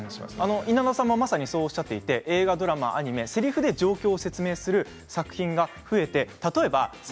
稲田さんもまさにそうおっしゃっていて映画、ドラマ、アニメせりふで状況を説明する作品が増えているそうです。